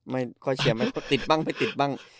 ไม่ค่อยเชียร์ไม่ค่อยติดบ้างไม่ติดบ้าง